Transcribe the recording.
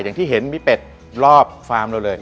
อย่างที่เห็นมีเป็ดรอบฟาร์มเราเลย